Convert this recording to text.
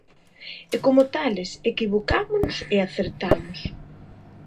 E como tales equivocámonos e acertamos.